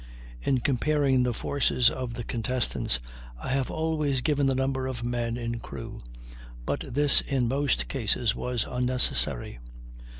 In comparing the forces of the contestants I have always given the number of men in crew; but this in most cases was unnecessary.